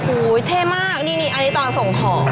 โอ้โหเท่มากนี่อันนี้ตอนส่งของ